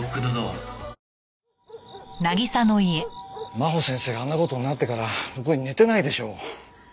真帆先生があんな事になってからろくに寝てないでしょう。